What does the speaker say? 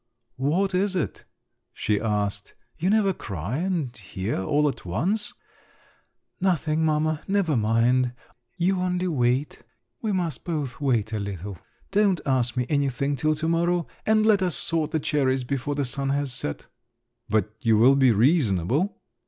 "What is it?" she asked. "You never cry and here, all at once …" "Nothing, mamma, never mind! you only wait. We must both wait a little. Don't ask me anything till to morrow—and let us sort the cherries before the sun has set." "But you will be reasonable?"